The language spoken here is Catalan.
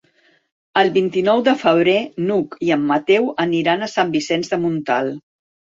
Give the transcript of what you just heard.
El vint-i-nou de febrer n'Hug i en Mateu aniran a Sant Vicenç de Montalt.